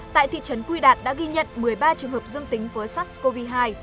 tại thị trấn quy đạt đã ghi nhận một mươi ba trường hợp dương tính với sars cov hai